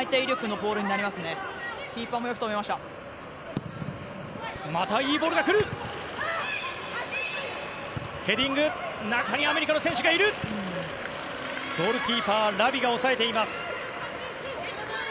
ゴールキーパーラビが押さえています。